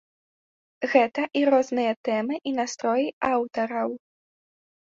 Гэта і розныя тэмы і настроі аўтараў.